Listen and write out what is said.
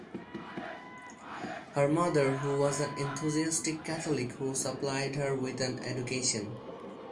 Her mother who was an enthusiastic Catholic who supplied her with an education.